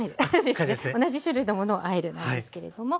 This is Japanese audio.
同じ種類のものをあえるなんですけれども。